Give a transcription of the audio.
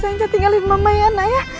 sayang jatuh tinggalin mama ya nak ya